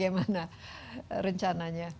nah ini bagaimana rencananya